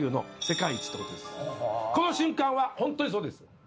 この瞬間は本当にそうです。